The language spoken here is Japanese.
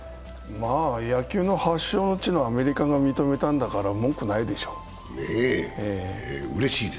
野球の発祥の地のアメリカが認めたんだから、文句ないでしょう。